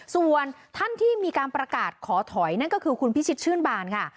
ส่วนท่านที่มีการประกาศขอถอยนั่นก็คือคุณพิชิตชื่นบานค่ะ